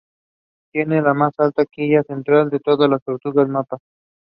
The group winner advanced to the second phase.